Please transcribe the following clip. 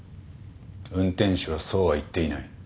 運転手はそうは言っていない。